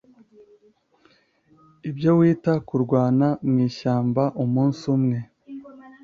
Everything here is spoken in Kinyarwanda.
Ibyo wita ‘kurwana mu ishyamba umunsi umwe